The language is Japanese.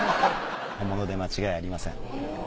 本物で間違いありません。